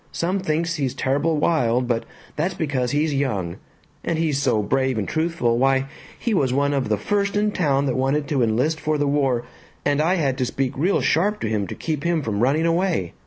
Some thinks he's terrible wild, but that's because he's young. And he's so brave and truthful why, he was one of the first in town that wanted to enlist for the war, and I had to speak real sharp to him to keep him from running away.